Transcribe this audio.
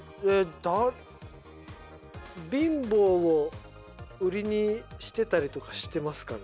貧乏を売りにしてたりしますかね。